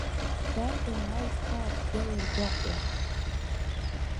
Дарбан уа зхьаа цәгьа иаргәаҟуа.